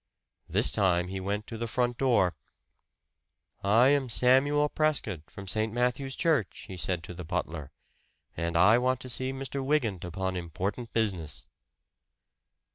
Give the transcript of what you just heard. This time he went to the front door. "I am Samuel Prescott, from St. Matthew's Church," he said to the butler. "And I want to see Mr. Wygant upon important business."